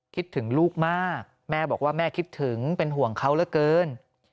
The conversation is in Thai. คิดถึงลูกมากแม่บอกว่าแม่คิดถึงเป็นห่วงเขาเหลือเกิน